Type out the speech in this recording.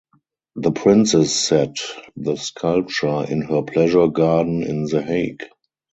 The princess set the sculpture in her pleasure garden in The Hague.